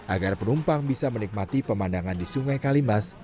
agar penumpang bisa menikmati pemandangan di sungai kalimas